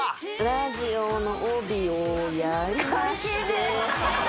「ラジオの帯をやりまして」